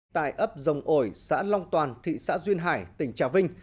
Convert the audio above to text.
tại ấp dòng ổi xã long toàn thị xã duyên hải tỉnh trà vinh